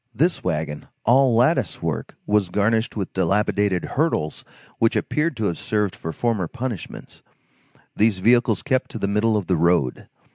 This wagon, all lattice work, was garnished with dilapidated hurdles which appeared to have served for former punishments. These vehicles kept to the middle of the road.